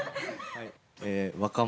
はい。